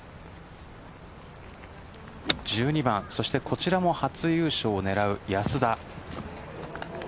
１２番、そしてこちらも初優勝を狙う安田。